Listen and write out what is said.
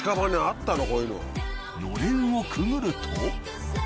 のれんをくぐると。